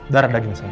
darah daging saya